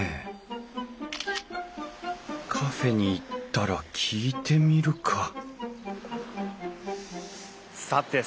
カフェに行ったら聞いてみるかさてさて